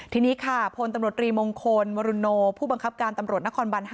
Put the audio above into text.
ทีนี้ค่ะพลตำรวจรีมงคลมรุโนผู้บังคับการตำรวจนครบัน๕